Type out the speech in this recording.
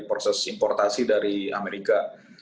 proses importasi dari amerika